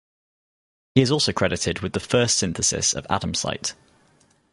He is also credited with the first synthesis of Adamsite.